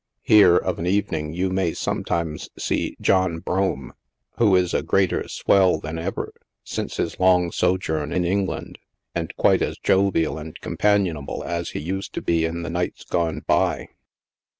Here, of an evening, you may sometimes see John Brougham — who is a greater " swell" than ever since his long so journ in England, and quite as jovial and companionable as he used to be in the nights gone by.